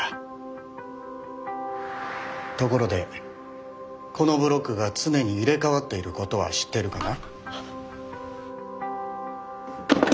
ところでこのブロックが常に入れ代わっていることは知ってるかな？